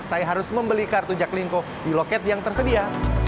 saya harus membeli kartu jaklingko di loket yang tersedia